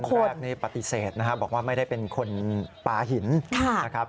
แรกนี่ปฏิเสธนะครับบอกว่าไม่ได้เป็นคนปลาหินนะครับ